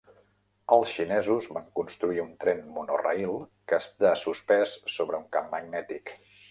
Els xinesos van construir un tren monorail que està suspès sobre un camp magnètic.